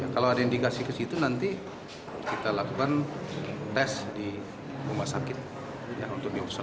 kalau ada indikasi ke situ nanti kita lakukan tes di rumah sakit